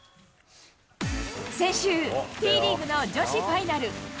先週、Ｔリーグの女子ファイナル。